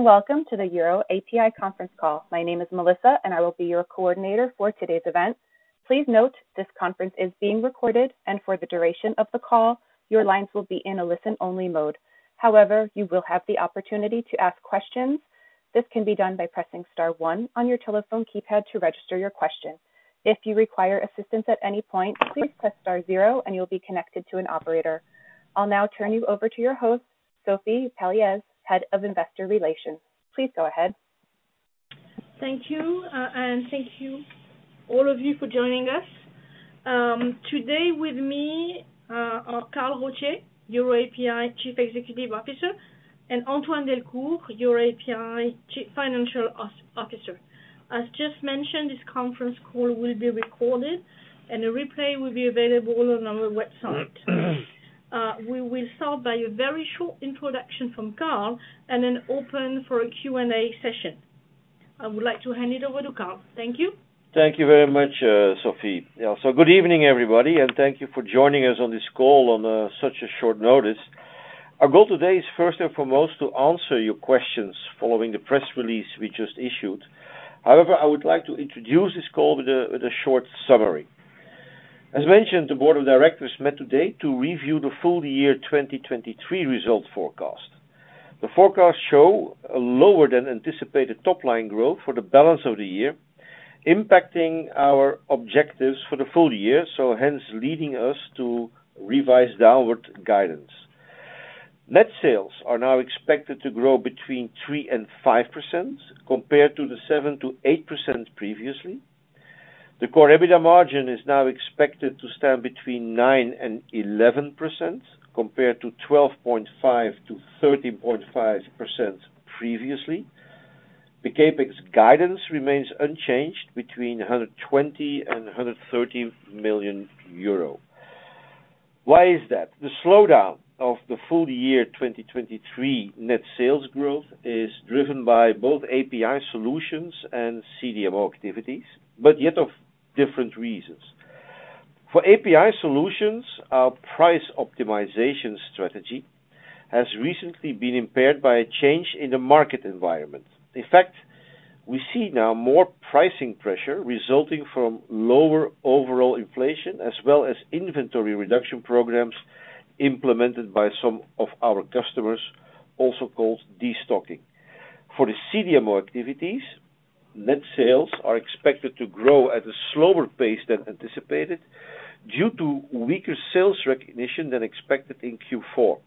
Hello, and welcome to the EUROAPI conference call. My name is Melissa, and I will be your coordinator for today's event. Please note, this conference is being recorded, and for the duration of the call, your lines will be in a listen-only mode. However, you will have the opportunity to ask questions. This can be done by pressing star one on your telephone keypad to register your question. If you require assistance at any point, please press star zero, and you'll be connected to an operator. I will now turn you over to your host, Sophie Palliez, Head of Investor Relations. Please go ahead. Thank you, and thank you all of you for joining us. Today with me are Karl Rotthier, EUROAPI Chief Executive Officer, and Antoine Delcour, EUROAPI Chief Financial Officer. As just mentioned, this conference call will be recorded, and a replay will be available on our website. We will start by a very short introduction from Karl and then open for a Q&A session. I would like to hand it over to Karl. Thank you. Thank you very much, Sophie. So good evening, everybody, and thank you for joining us on this call on such a short notice. Our goal today is first and foremost to answer your questions following the press release we just issued. However, I would like to introduce this call with a short summary. As mentioned, the board of directors met today to review the full year 2023 result forecast. The forecast show a lower than anticipated top-line growth for the balance of the year, impacting our objectives for the full year, so hence leading us to revise downward guidance. Net sales are now expected to grow between 3% and 5% compared to the 7%-8% previously. The Core EBITDA margin is now expected to stand between 9% and 11%, compared to 12.5%-13.5% previously. The CapEx guidance remains unchanged between 120 million and 130 million euro. The slowdown of the full year 2023 net sales growth is driven by both API Solutions and CDMO activities, but yet of different reasons. For API Solutions, our price optimization strategy has recently been impaired by a change in the market environment. In fact, we see now more pricing pressure resulting from lower overall inflation, as well as inventory reduction programs implemented by some of our customers, also called destocking. For CDMO activities, net sales are expected to grow at a slower pace than anticipated, due to weaker sales recognition than expected in Q4.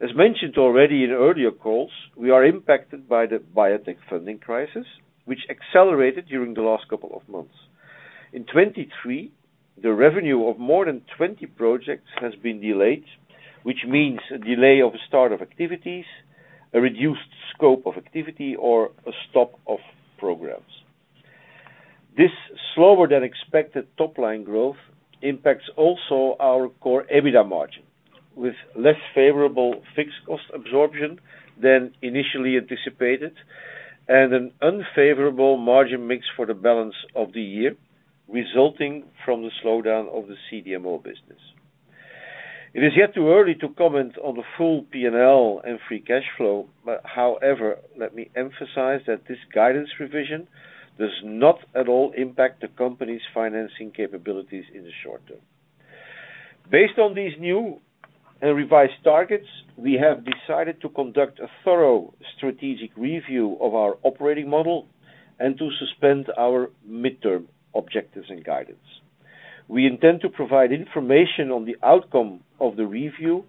As mentioned already in earlier calls, we are impacted by the biotech funding crisis, which accelerated during the last couple of months. In 2023, the revenue of more than 20 projects has been delayed, which means a delay of start of activities, a reduced scope of activity, or a stop of programs. This slower than expected top-line growth impacts also our Core EBITDA margin, with less favorable fixed cost absorption than initially anticipated, and an unfavorable margin mix for the balance of the year, resulting from the slowdown of the CDMO business. While It is yet too early to comment on the full P&L and free cash flow, but however, let me emphasize that this guidance revision does not at all impact the company's financing capabilities in the short term. Based on these new and revised targets, we have decided to conduct a thorough strategic review of our operating model and to suspend our midterm objectives and guidance. We intend to provide information on the outcome of the review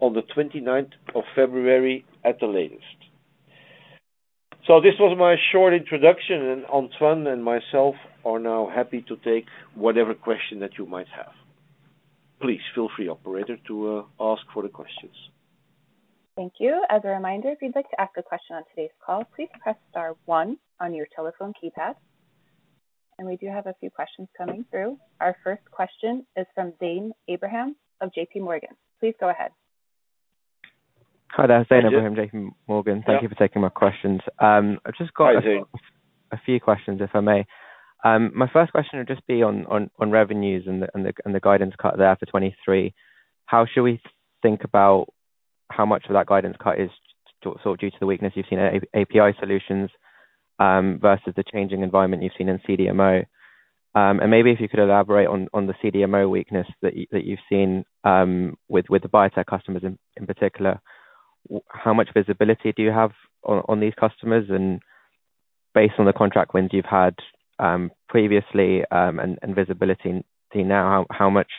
on the twenty-ninth of February, at the latest. This was my short introduction, Antoine and myself are now happy to take whatever question that you might have. Please feel free, operator, to ask for the questions. Thank you. As a reminder, if you'd like to ask a question on today's call, please press star one on your telephone keypad. We do have a few questions coming through. Our first question is from Zain Ebrahim of J.P. Morgan. Please go ahead. Hi there, Zain Ebrahim, J.P. Morgan. Thank you for taking my questions. I've just got- Hi, Zane A few questions, if I may. My first question would just be on revenues and the guidance cut there for 2023. How should we think about how much of that guidance cut is sort of due to the weakness you've seen in API solutions, versus the changing environment you've seen in CDMO? And maybe if you could elaborate on the CDMO weakness that you've seen, with the biotech customers in particular. How much visibility do you have on these customers? And based on the contract wins you've had previously, and visibility now, how much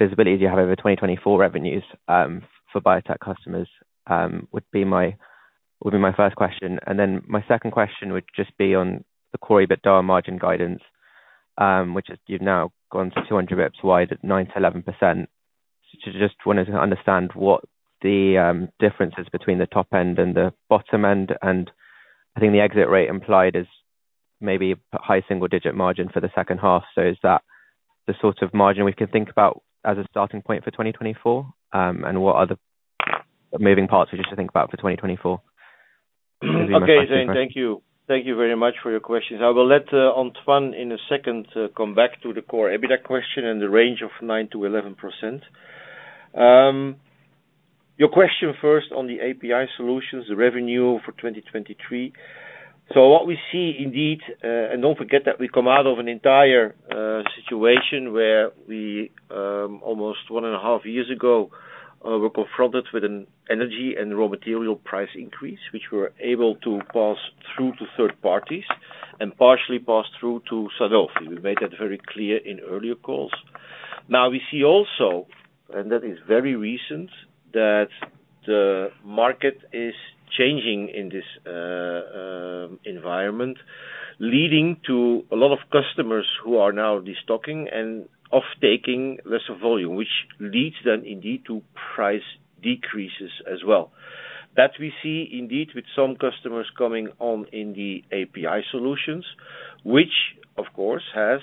visibility do you have over 2024 revenues, for biotech customers? Would be my first question. My second question would just be on the core EBITDA margin guidance, which is you've now gone to 200 basis points wide at 9%-11%. Just wanted to understand what the differences between the top end and the bottom end, and I think the exit rate implied is maybe a high single-digit margin for the second half. Is that the sort of margin we could think about as a starting point for 2024? What are the moving parts we should think about for 2024? Okay, Zane, thank you. Thank you very much for your questions. I will let Antoine in a second come back to the Core EBITDA question and the range of 9%-11%. Your question first on the API Solutions, the revenue for 2023. So what we see indeed, and don't forget that we come out of an entire situation where we almost one and a half years ago were confronted with an energy and raw material price increase, which we were able to pass through to third parties and partially pass through to Sanofi. We made that very clear in earlier calls. Now, we see also, and that is very recent, that the market is changing in this environment, leading to a lot of customers who are now destocking and off taking lesser volume, which leads them indeed to price decreases as well. That we see indeed with some customers coming on in the API Solutions, which of course has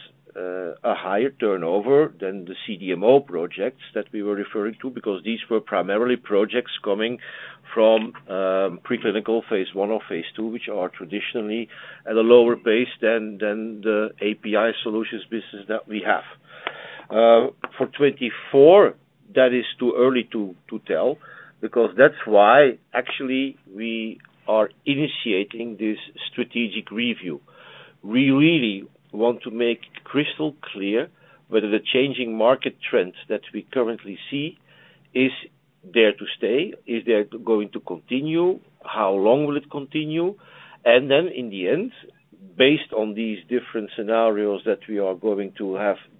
a higher turnover than the CDMO projects that we were referring to, because these were primarily projects coming from preclinical phase I or phase II, which are traditionally at a lower pace than the API Solutions business that we have. For 2024, that is too early to tell, because that's why actually we are initiating this strategic review. We really want to make crystal clear whether the changing market trends that we currently see is there to stay, is there going to continue? How long will it continue? And then in the end, based on these different scenarios that we are going to have developed,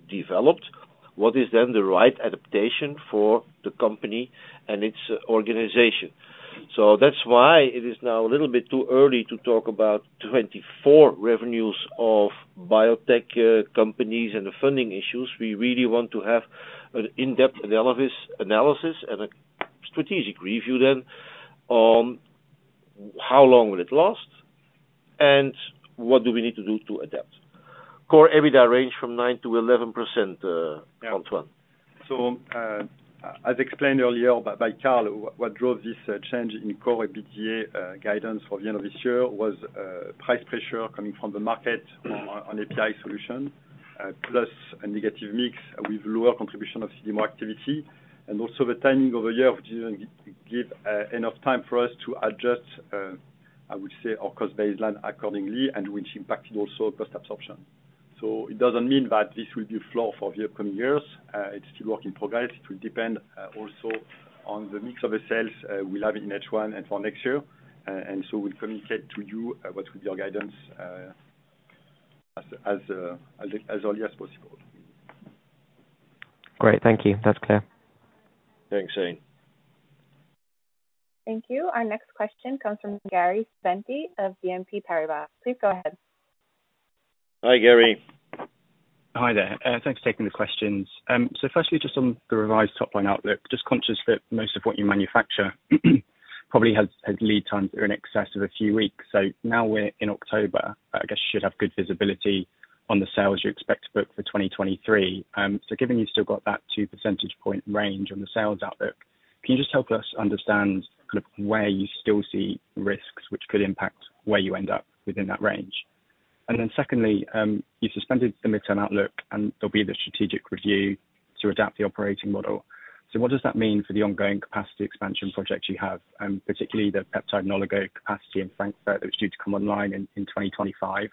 what is then the right adaptation for the company and its organization. So that's why it is now a little bit too early to talk about 2024 revenues of biotech companies and the funding issues. We really want to have an in-depth analysis and a strategic review then on how long will it last, and what do we need to do to adapt? Core EBITDA range from 9%-11%, Antoine. As explained earlier by Karl, what drove this change in core EBITDA guidance for the end of this year was price pressure coming from the market on API Solutions, plus a negative mix with lower contribution of CDMO activity, and also the timing of the year, which didn't give enough time for us to adjust, I would say, our cost baseline accordingly, and which impacted also cost absorption. It doesn't mean that this will be the flow for the upcoming years. It's still work in progress. It will depend also on the mix of the sales we'll have in H1 and for next year. We'll communicate to you what would be our guidance as early as possible. Great. Thank you. That's clear. Thanks, Zane. Thank you. Our next question comes from Gary Sventek of BNP Paribas. Please go ahead. Hi, Gary. Hi there. Thanks for taking the questions. So firstly, just on the revised top line outlook, just conscious that most of what you manufacture probably has lead times in excess of a few weeks. So now we're in October, I guess you should have good visibility on the sales you expect to book for 2023. So given you've still got that 2 percentage point range on the sales outlook, can you just help us understand kind of where you still see risks which could impact where you end up within that range? And then secondly, you suspended the mid-term outlook, and there'll be the strategic review to adapt the operating model. So what does that mean for the ongoing capacity expansion projects you have, and particularly the peptide and oligo capacity in Frankfurt that was due to come online in 2025?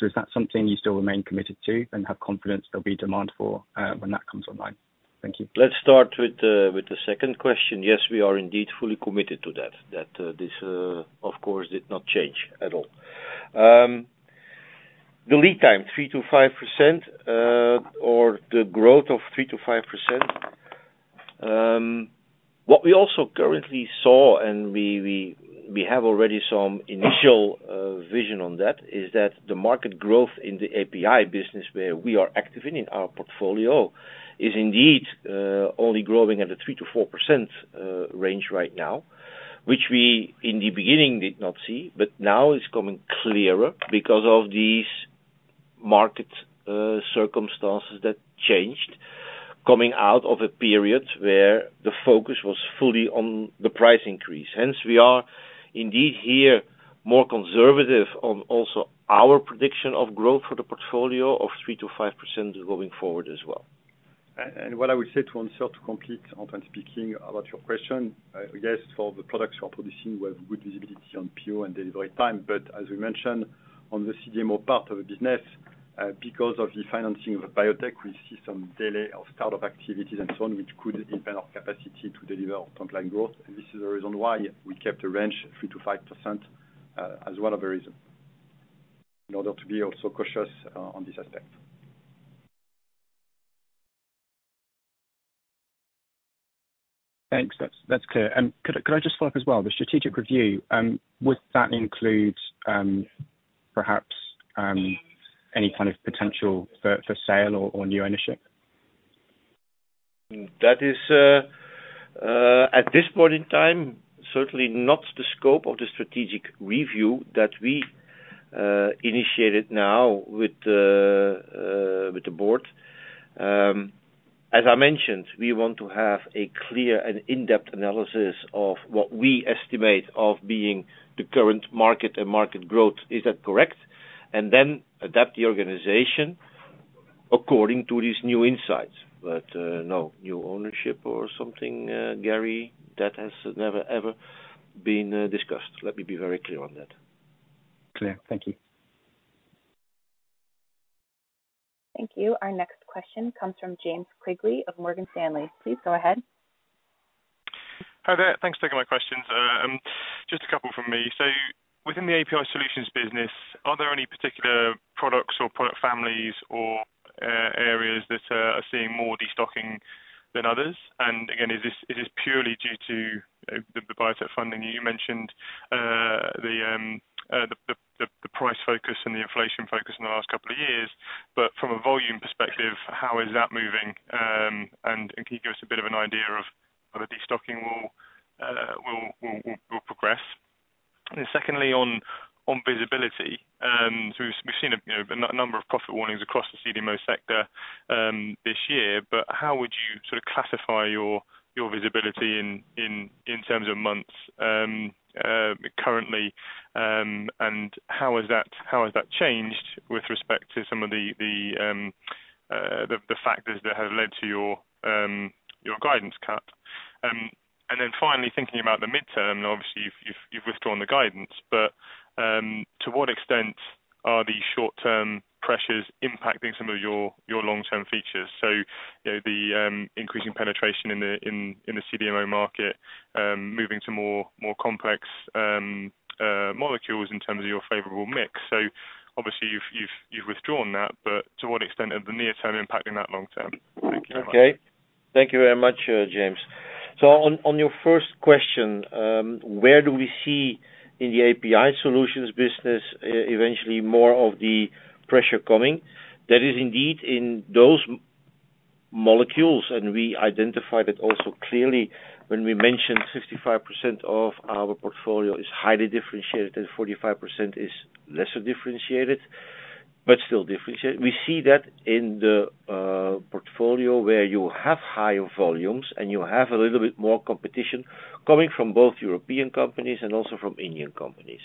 Is that something you still remain committed to and have confidence there'll be demand for, when that comes online? Thank you. Let's start with the second question. Yes, we are indeed fully committed to that. This, of course, did not change at all. The lead time 3%-5%, or the growth of 3%-5%, what we also currently saw, and we have already some initial vision on that, is that the market growth in the API business, where we are active in our portfolio, is indeed only growing at a 3%-4% range right now. Which we, in the beginning, did not see, but now it's becoming clearer because of these market circumstances that changed, coming out of a period where the focus was fully on the price increase. Hence, we are indeed here, more conservative on also our prediction of growth for the portfolio of 3%-5% going forward as well. What I would say to answer, to complete Antoine speaking about your question, I guess for the products you are producing, we have good visibility on PO and delivery time. But as we mentioned, on the CDMO part of the business, because of the financing of the biotech, we see some delay of start of activities and so on, which could impact our capacity to deliver on top line growth. And this is the reason why we kept the range 3%-5%, as well as the reason, in order to be also cautious, on this aspect. Thanks. That's clear. Could I just follow up as well? The strategic review, would that include perhaps any kind of potential for sale or new ownership? That is, at this point in time, certainly not the scope of the strategic review that we initiated now with the board. As I mentioned, we want to have a clear and in-depth analysis of what we estimate of being the current market and market growth. Is that correct? And then adapt the organization according to these new insights. But, no, new ownership or something, Gary, that has never, ever been discussed. Let me be very clear on that. Clear. Thank you. Thank you. Our next question comes from James Quigley of Morgan Stanley. Please go ahead. Hi there. Thanks for taking my questions. Just a couple from me. So within the API Solutions business, are there any particular products or product families or areas that are seeing more destocking than others? And again, is this—it is purely due to the biotech funding. You mentioned the price focus and the inflation focus in the last couple of years, but from a volume perspective, how is that moving? And can you give us a bit of an idea of how the destocking will progress? And secondly, on visibility, so we've seen a number of profit warnings across the CDMO sector this year, but how would you sort of classify your visibility in terms of months currently? How has that changed with respect to some of the factors that have led to your guidance cut? Finally, thinking about the midterm, obviously, you've withdrawn the guidance, but to what extent are these short-term pressures impacting some of your long-term features? The increasing penetration in the CDMO market, moving to more complex molecules in terms of your favorable mix. Obviously, you've withdrawn that, but to what extent are the near-term impacting that long-term? Thank you. Okay. Thank you very much, James. On your first question, where do we see in the API Solutions business, eventually more of the pressure coming? That is indeed in those molecules, and we identified it also clearly when we mentioned 65% of our portfolio is highly differentiated and 45% is lesser differentiated, but still differentiated. We see that in the portfolio where you have higher volumes, and you have a little bit more competition coming from both European companies and also from Indian companies.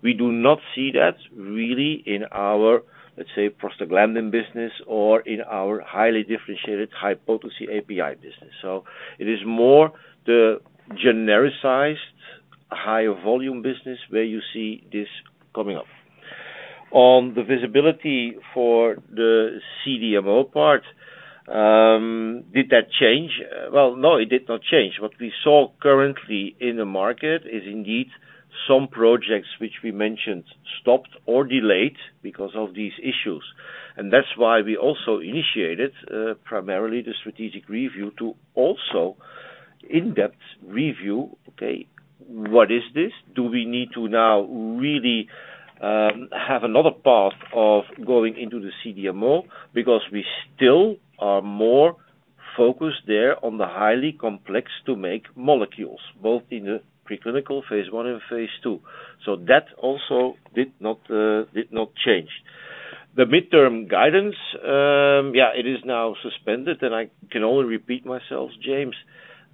We do not see that really in our, let's say, prostaglandin business or in our highly differentiated high potency API business. It is more the genericized higher volume business where you see this coming up. On the visibility for the CDMO part, did that change? Well, no, it did not change. What we saw currently in the market is indeed some projects which we mentioned, stopped or delayed because of these issues. That's why we also initiated primarily the strategic review, to also in-depth review, okay, what is this? Do we need to now really have another path of going into the CDMO? Because we still are more focused there on the highly complex to make molecules, both in the preclinical phase one and phase two. So that also did not change. The midterm guidance, it is now suspended, and I can only repeat myself, James.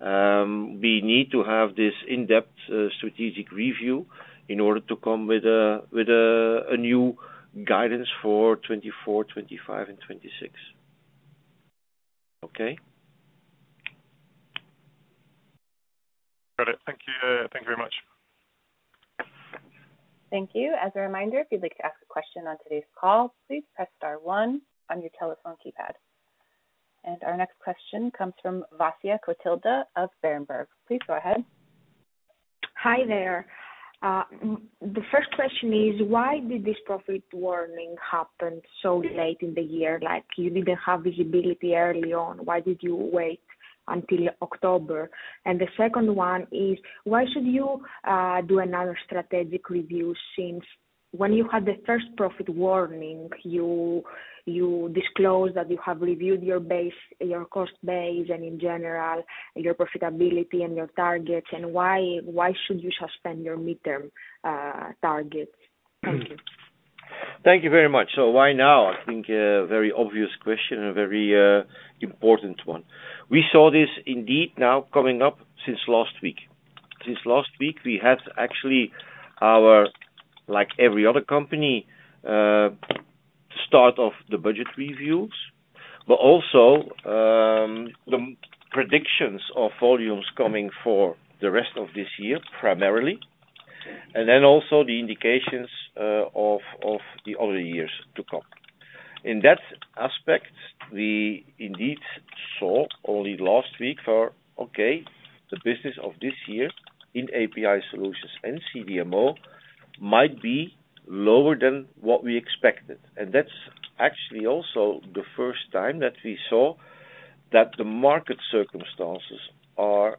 We need to have this in-depth strategic review in order to come with a new guidance for 2024, 2025, and 2026. Okay? Got it. Thank you. Thank you very much. Thank you. As a reminder, if you'd like to ask a question on today's call, please press star one on your telephone keypad. Our next question comes from Vasiliki Kolovou of Berenberg. Please go ahead. Hi there. The first question is, why did this profit warning happen so late in the year? Like, you didn't have visibility early on. Why did you wait until October? And the second one is, why should you do another strategic review, since when you had the first profit warning, you disclosed that you have reviewed your base, your cost base, and in general, your profitability and your targets, and why should you suspend your midterm targets? Thank you. Thank you very much. So why now? I think a very obvious question and a very, important one. We saw this indeed now coming up since last week. Since last week, we had actually our, like, every other company, start of the budget reviews, but also, the predictions of volumes coming for the rest of this year, primarily, and then also the indications, of the other years to come. In that aspect, we indeed saw only last week for, okay, the business of this year in API Solutions and CDMO might be lower than what we expected. And that's actually also the first time that we saw that the market circumstances are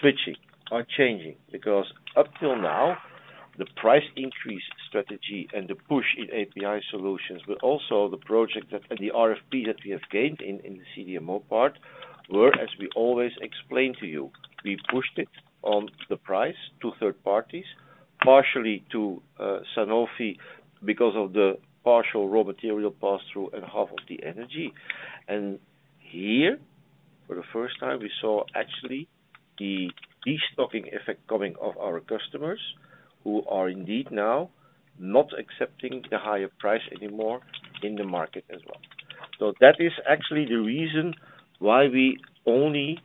switching or changing. Because up till now, the price increase strategy and the push in API Solutions, but also the project that, and the RFP that we have gained in, in the CDMO part, were, as we always explain to you, we pushed it on the price to third parties, partially to Sanofi, because of the partial raw material pass-through and half of the energy. And here, for the first time, we saw actually the destocking effect coming of our customers, who are indeed now not accepting the higher price anymore in the market as well. So that is actually the reason why we only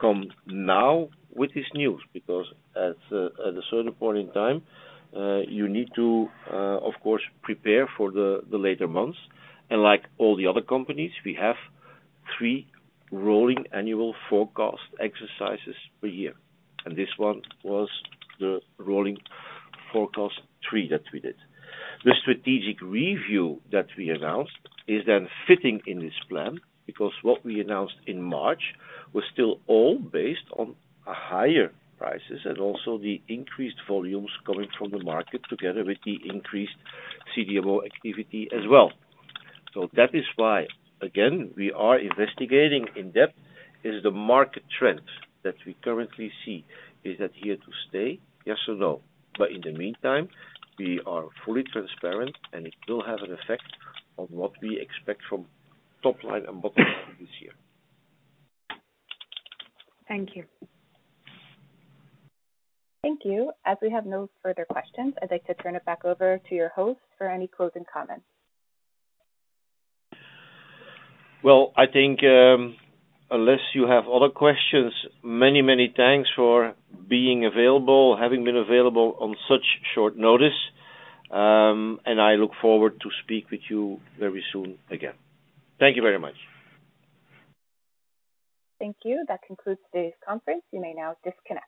come now with this news, because at a certain point in time, you need to of course prepare for the later months. Like all the other companies, we have three rolling annual forecast exercises per year, and this one was the rolling forecast three that we did. The strategic review that we announced is then fitting in this plan, because what we announced in March was still all based on higher prices and also the increased volumes coming from the market, together with the increased CDMO activity as well. So that is why, again, we are investigating in depth, is the market trend that we currently see, is that here to stay? Yes or no. In the meantime, we are fully transparent, and it will have an effect on what we expect from top line and bottom line this year. Thank you. Thank you. As we have no further questions, I'd like to turn it back over to your host for any closing comments. Well, I think, unless you have other questions, many, many thanks for being available, having been available on such short notice. I look forward to speak with you very soon again. Thank you very much. Thank you. That concludes today's conference. You may now disconnect.